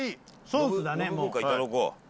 ソースだねもう。